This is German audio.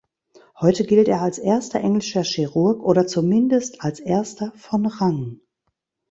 Heute gilt er als erster englischer Chirurg oder zumindest als erster von Rang.